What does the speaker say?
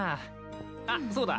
あっそうだ。